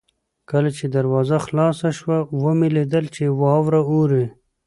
کله چې دروازه خلاصه شوه ومې لیدل چې واوره اورې.